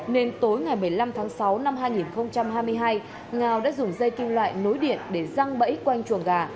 nên tối ngày một mươi năm tháng sáu năm hai nghìn hai mươi hai ngao đã dùng dây kim loại nối điện để răng bẫy quanh chuồng gà